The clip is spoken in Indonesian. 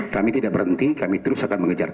kami tidak berhenti kami terus akan mengejar